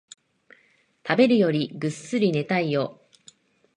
食べるよりぐっすり寝たいよ